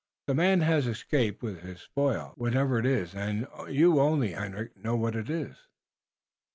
But the man hass escaped with hiss spoil, whatefer it iss, und you only, Hendrik, know what it iss."